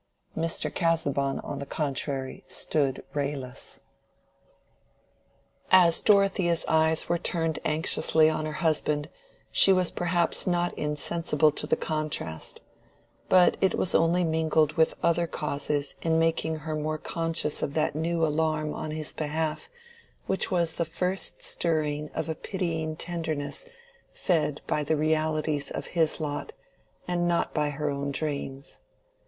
Mr. Casaubon, on the contrary, stood rayless. As Dorothea's eyes were turned anxiously on her husband she was perhaps not insensible to the contrast, but it was only mingled with other causes in making her more conscious of that new alarm on his behalf which was the first stirring of a pitying tenderness fed by the realities of his lot and not by her own dreams.